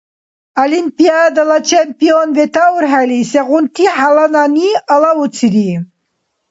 Олимпиадала чемпион ветаурхӀели, сегъунти хӀяланани алавуцири?